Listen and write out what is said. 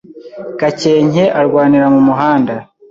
Gakenke arwanira mumuhanda